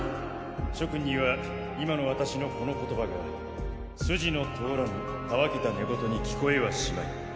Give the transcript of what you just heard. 諸君には今の私のこの言葉が筋の通らぬたわけた寝言に聞こえはしまい。